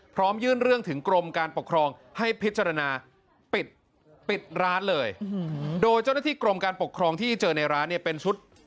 พร้อมยื่นเรื่องถึงกรมการปกครองให้พิจารณาปิดร้านเลยโดยเจ้าหน้าที่กรมการปกครองที่เจอในร้านเนี่ยเป็นชุด